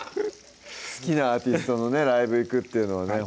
好きなアーティストのライブ行くっていうのはね